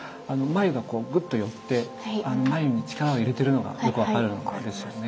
眉がこうぐっと寄って眉に力を入れているのがよく分かるんですよね。